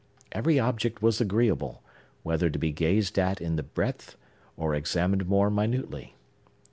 Every object was agreeable, whether to be gazed at in the breadth, or examined more minutely.